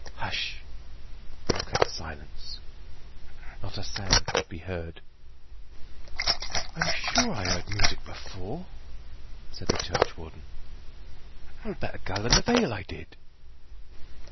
"Hush!" All kept silence not a sound could be heard. "I'm sure I heard music afore," said the churchwarden. "I'll bet a gallon of ale I did."